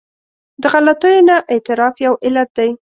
د غلطیو نه اعتراف یو علت دی.